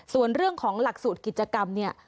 ส่วนเรื่องของหลักสูตรกิจกรรมเนี่ย